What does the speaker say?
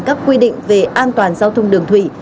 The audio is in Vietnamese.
các quy định về an toàn giao thông đường thủy